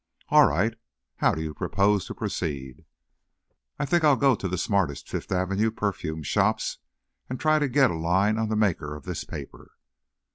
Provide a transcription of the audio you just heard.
"All right. How do you propose to proceed?" "I think I'll go to the smartest Fifth Avenue perfume shops and try to get a line on the maker of this paper."